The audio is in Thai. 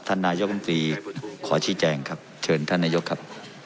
ท่านนายกลุ่มตีขอชี่แจงครับเชิญท่านนายกครับ